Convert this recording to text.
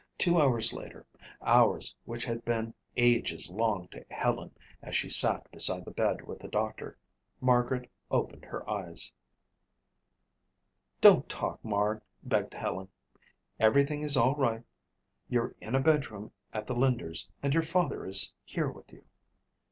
Two hours later, hours which had been ages long to Helen as she sat beside the bed with the doctor, Margaret opened her eyes. "Don't talk, Marg," begged Helen. "Everything is all right. You're in a bedroom at the Linders and your father is here with you."